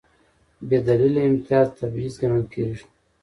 بېدلیله امتیاز تبعیض ګڼل کېږي.